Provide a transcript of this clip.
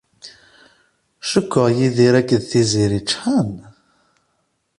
Cukkeɣ Yidir akked Tiziri ččḥen.